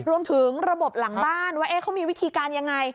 รวมถึงระบบหลังบ้านว่าเขามีวิธีการยังไง